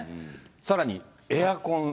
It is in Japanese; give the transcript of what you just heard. さらにエアコン。